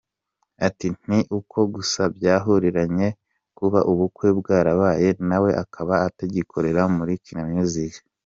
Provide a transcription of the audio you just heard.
Ati “ Ni uko gusa byahuriranye, kuba ubukwe bwarabaye nawe akaba atagikorera muri Kina Music.